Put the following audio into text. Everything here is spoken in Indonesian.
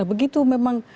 nah begitu memang